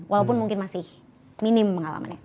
walaupun mungkin masih minim pengalamannya